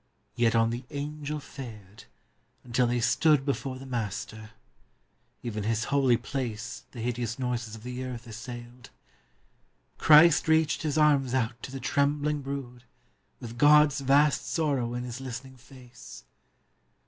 Yet on the Angel fared, until they stood Before the Master. (Even His holy place The hideous noises of the earth assailed.) Christ reached His arms out to the trembling brood, With God's vast sorrow in His listening face.